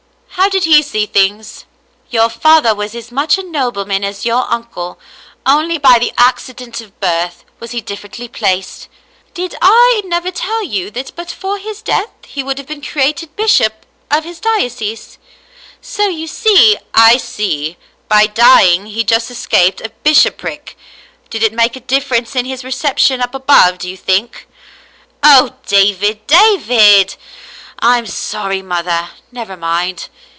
How did he see things ?"" Your father was as much a nobleman as your uncle. Only by the accident of birth was he differently placed. David and his Mother 299 Did I never tell you that but for his death he would have been created bishop of his diocese ? So you see —"I see. By dying he just escaped a bishopric. Did it make a difference in his reception up above — do you think ?" *'0h, David, David!" *'I'm sorry mother — never mind.